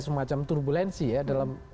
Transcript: semacam turbulensi ya dalam